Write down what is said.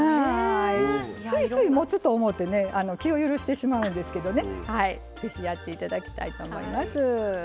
ついつい、もつと思って気を許してしまうんですけどぜひやっていただきたいと思います。